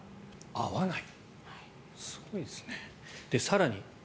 会わない。